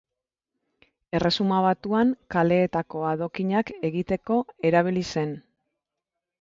Erresuma Batuan kaleetako adokinak egiteko erabili zen.